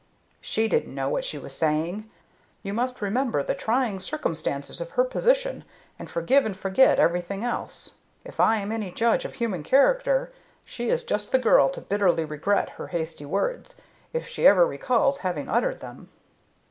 "She didn't know what she was saying. You must remember the trying circumstances of her position, and forgive and forget everything else. If I am any judge of human character, she is just the girl to bitterly regret her hasty words, if she ever recalls having uttered them."